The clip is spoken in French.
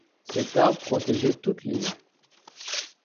Cet arbre protégeait toute l'île.